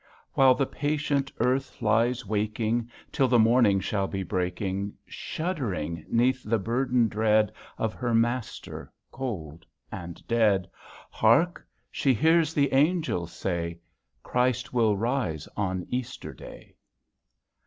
While the patient earth lies waking. Till the morning shall be breaking. Shuddering 'neath the burden dread [ 35 ] Of her Master, cold and dead. Hark! she hears the angels say, Christ will rise on Easter Day.